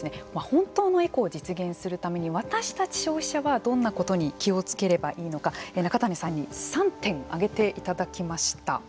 本当のエコを実現するために私たち消費者はどんなことに気を付ければいいのか中谷さんに３点挙げていただきました。